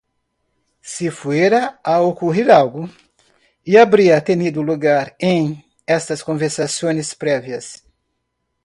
Si fuera a ocurrir algo, ya habría tenido lugar en estas conversaciones previas.